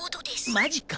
マジか。